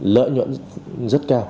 lợi nhuận rất cao